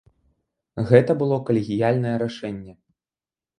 Гэта было калегіяльнае рашэнне.